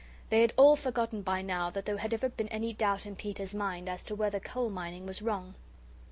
They had all forgotten by now that there had ever been any doubt in Peter's mind as to whether coal mining was wrong.